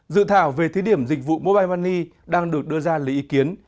dự thảo về thí điểm dịch vụ mobile money đang được đưa ra lấy ý kiến